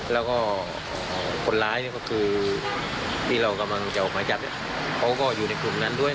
แล้วก็คนร้ายก็คือที่เรากำลังจะออกหมายจับเขาก็อยู่ในกลุ่มนั้นด้วย